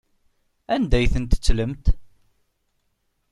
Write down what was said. Anda ay ten-tettlemt?